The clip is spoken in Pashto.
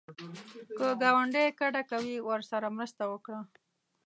که ګاونډی کډه کوي، ورسره مرسته وکړه